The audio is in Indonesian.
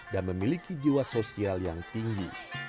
dan memiliki jiwa sosial yang tinggi